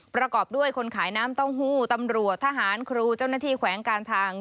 ประกอบด้วยคนขายน้ำเต้าหู้ตำรวจทหารครูเจ้าหน้าที่แขวงการทาง